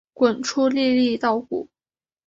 滚出粒粒稻谷